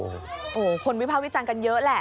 โอ้โหคนวิภาควิจารณ์กันเยอะแหละ